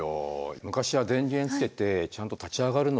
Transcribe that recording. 昔は電源つけてちゃんと立ち上がるのにね